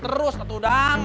kedua produk yang urgenteng